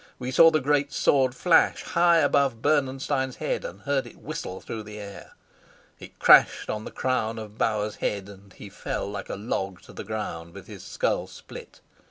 We saw the great sword flash high above Bernenstein's head and heard it whistle through the air. It crashed on the crown of Bauer's head, and he fell like a log to the ground with his skull split.